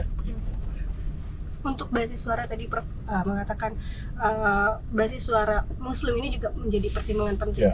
untuk basis suara tadi prof mengatakan basis suara muslim ini juga menjadi pertimbangan penting